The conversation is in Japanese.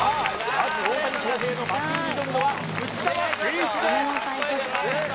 まず大谷翔平の魔球に挑むのは内川聖一です